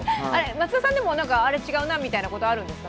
松田さんでも、あれ、違うなということあるんですか？